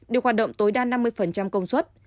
đều hoạt động tối đa năm mươi công suất